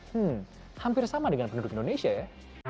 hmm hampir sama dengan penduduk indonesia ya